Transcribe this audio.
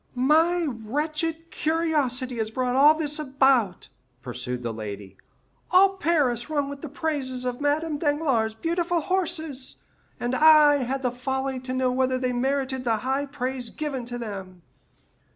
"My wretched curiosity has brought all this about," pursued the lady. "All Paris rung with the praises of Madame Danglars' beautiful horses, and I had the folly to desire to know whether they really merited the high praise given to them."